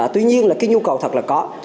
tuy nhiên là cái nhu cầu thật là có